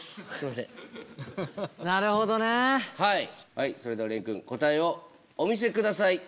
はいそれでは廉くん答えをお見せください。